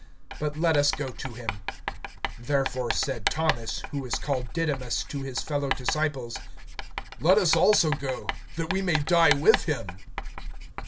But let us go to him. (16)Therefore said Thomas, who is called Didymus, to his fellow disciples: Let us also go, that we may die with him.